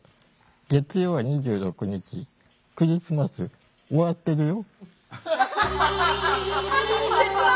月曜は２６日クリスマス終わってるよ。